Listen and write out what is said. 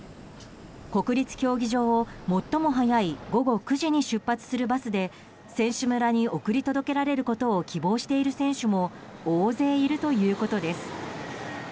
国立競技場を最も早い午後９時に出発するバスで選手村に送り届けられることを希望している選手も大勢いるということです。